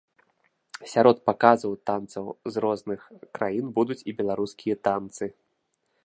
Сярод паказаў танцаў з розных краін будуць і беларускія танцы.